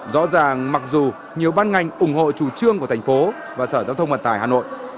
rõ ràng mặc dù nhiều ban ngành ủng hộ chủ trương của thành phố và sở giao thông vận tải hà nội